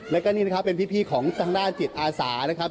แล้วก็นี่นะครับเป็นพี่ของทางด้านจิตอาสานะครับ